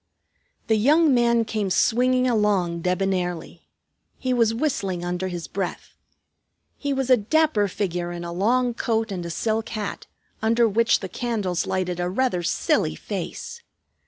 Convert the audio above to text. The young man came swinging along, debonairly; he was whistling under his breath. He was a dapper figure in a long coat and a silk hat, under which the candles lighted a rather silly face.